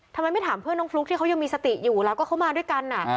ทำไมไม่ถามเพื่อนน้องฟลุ๊กที่เขายังมีสติอยู่แล้วก็เขามาด้วยกัน